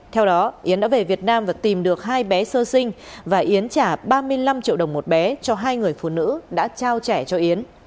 theo đó yến đã về việt nam và tìm được hai bé sơ sinh và yến trả ba mươi năm triệu đồng một bé cho hai người phụ nữ đã trao trẻ cho yến